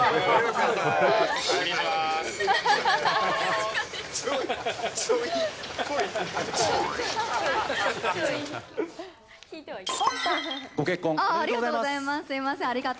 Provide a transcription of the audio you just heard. おめでとうございます。